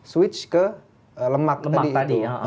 switch ke lemak tadi itu